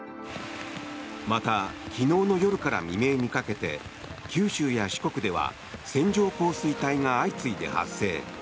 また、昨日の夜から未明にかけて九州や四国では線状降水帯が相次いで発生。